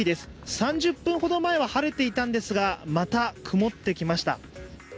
３０分ほど前は晴れていたんですが、また曇ってきました。